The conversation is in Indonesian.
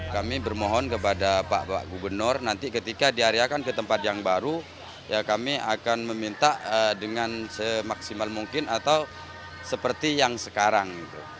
kami bermohon kepada pak gubernur nanti ketika diariakan ke tempat yang baru ya kami akan meminta dengan semaksimal mungkin atau seperti yang sekarang